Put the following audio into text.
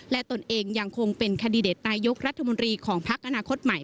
และตนเองยังคงเป็นคันดิเดตนายกรัฐมนตรีของพักอนาคตใหม่